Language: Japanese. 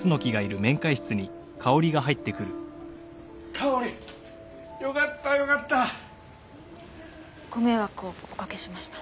香織よかったよかった！ご迷惑をおかけしました。